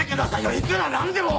いくら何でも。